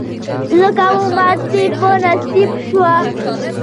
ځکه مو ماتې په نصیب شوه.